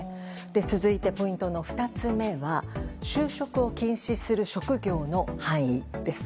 続いて、ポイントの２つ目は就職を禁止する職業の範囲です。